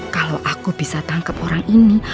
kalau aku bisa tangkap orang ini